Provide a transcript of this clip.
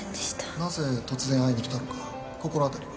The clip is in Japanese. なぜ突然会いに来たのか心当たりは？